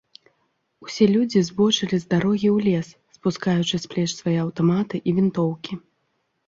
Усе людзі збочылі з дарогі ў лес, спускаючы з плеч свае аўтаматы і вінтоўкі.